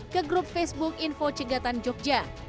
ke grup facebook info cegatan jogja